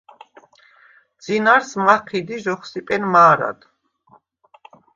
ძინარს მაჴიდ ი ჟოსსიპენ მა̄რად.